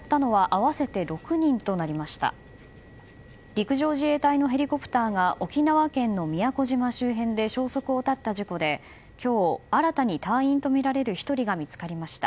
陸上自衛隊のヘリコプターが沖縄県の宮古島周辺で消息を絶った事故で今日、新たに隊員とみられる１人が見つかりました。